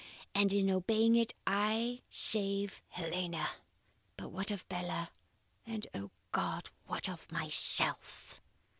and in obeying it I save Helena. But what of Bella? and O God, what of myself?"